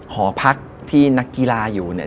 หอพักที่นักกีฬาอยู่เนี่ย